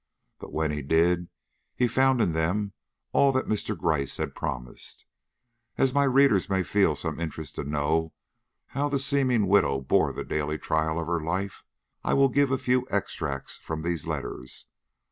But when he did, he found in them all that Mr. Gryce had promised. As my readers may feel some interest to know how the seeming widow bore the daily trial of her life, I will give a few extracts from these letters.